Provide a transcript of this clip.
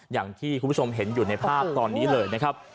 อย่างที่คุณผู้ชมเห็นอยู่ในภาพตอนนี้เลยนะครับ